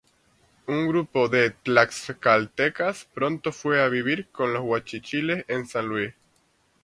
Un grupo de tlaxcaltecas pronto fue a vivir con los guachichiles en San Luis.